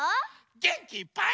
げんきいっぱい。